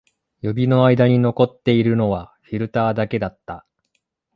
指の間に残っているのはフィルターだけだった